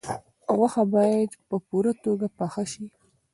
غوښه باید په پوره توګه پاخه شي.